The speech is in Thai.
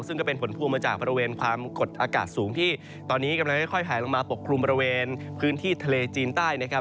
ซึ่งก็เป็นผลพวงมาจากบริเวณความกดอากาศสูงที่ตอนนี้กำลังค่อยแผลลงมาปกคลุมบริเวณพื้นที่ทะเลจีนใต้นะครับ